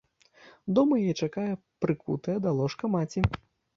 Дома яе чакае прыкутая да ложка маці.